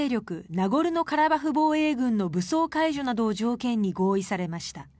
ナゴルノカラバフ防衛軍の武装解除などを条件に合意されました。